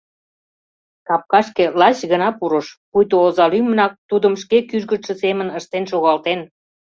Капкашке лач гына пурыш, пуйто оза лӱмынак тудым шке кӱжгытшӧ семын ыштен шогалтен.